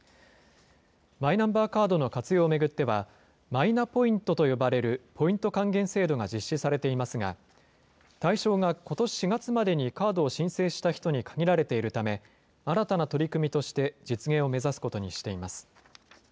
マイナンバーカードの活用を巡っては、マイナポイントと呼ばれるポイント還元制度が実施されていますが、対象がことし４月までにカードを申請した人に限られているため、新たな取り組みとして実現を目指すことにしています。